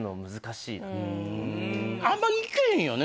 あんま行けへんよね？